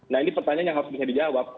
nah ini pertanyaan yang harus bisa dijawab